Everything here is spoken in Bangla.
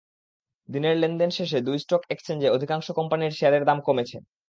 দিনের লেনদেন শেষে দুই স্টক এক্সচেঞ্জে অধিকাংশ কোম্পানির শেয়ারের দাম কমেছে।